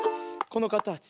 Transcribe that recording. このかたち。